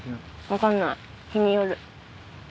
分かんない日による。